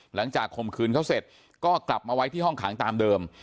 ข่มขืนเขาเสร็จก็กลับมาไว้ที่ห้องขังตามเดิม